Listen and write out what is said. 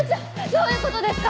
どういうことですか